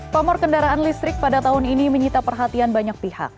pamor kendaraan listrik pada tahun ini menyita perhatian banyak pihak